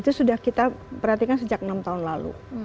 itu sudah kita perhatikan sejak enam tahun lalu